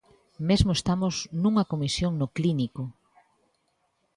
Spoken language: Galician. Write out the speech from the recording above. Mesmo estamos nunha comisión no Clínico.